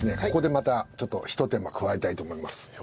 ここでまたちょっとひと手間加えたいと思います。